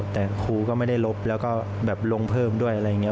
แต่ครูก็ไม่ได้ลบแล้วก็แบบลงเพิ่มด้วยอะไรอย่างนี้